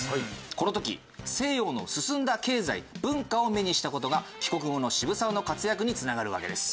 この時西洋の進んだ経済・文化を目にした事が帰国後の渋沢の活躍に繋がるわけです。